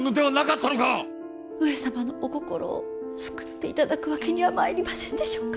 上様のお心を救って頂くわけにはまいりませんでしょうか。